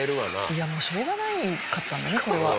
いやもうしょうがなかったんだねこれは。